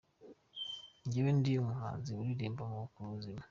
Njyewe ndi umuhanzi uririmba ku buzima.